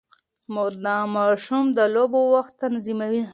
مور د ماشوم د لوبو وخت تنظیموي.